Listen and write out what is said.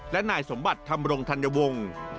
และนายสมบัติธรรมรงธัญวงศ์